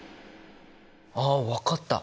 あ分かった！